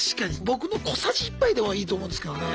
僕の小さじ１杯でもいいと思うんですけどね。